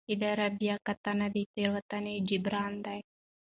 اداري بیاکتنه د تېروتنې جبران دی.